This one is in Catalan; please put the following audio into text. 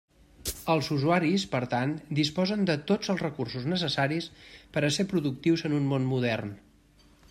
Els usuaris, per tant, disposen de tots els recursos necessaris per a ser productius en un món modern.